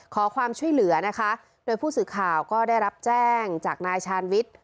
ขอความช่วยเหลือนะคะโดยผู้สื่อข่าวก็ได้รับแจ้งจากนายชาญวิทย์